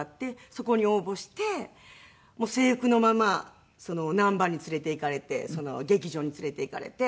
そこに応募してもう制服のまま難波に連れて行かれて劇場に連れて行かれて。